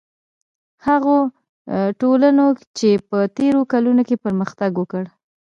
هغو ټولنو چې په تېرو کلونو کې پرمختګ وکړ.